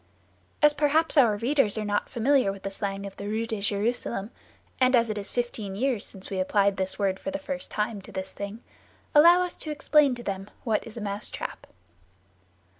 As perhaps our readers are not familiar with the slang of the Rue de Jerusalem, and as it is fifteen years since we applied this word for the first time to this thing, allow us to explain to them what is a mousetrap.